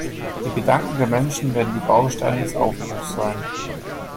Die Gedanken der Menschen werden die Bausteine des Aufbruchs sein.